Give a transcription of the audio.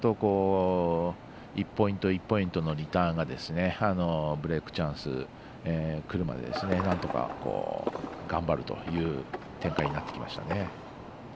１ポイント１ポイントのリターンがブレークチャンスくるまでなんとか、頑張るという展開になってきましたね。